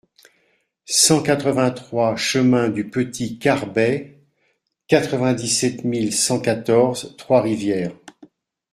cent quatre-vingt-trois chemin de Petit Carbet, quatre-vingt-dix-sept mille cent quatorze Trois-Rivières